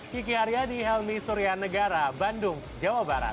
kiki haria di helmi surya negara bandung jawa barat